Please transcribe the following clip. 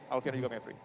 alfiana juga mery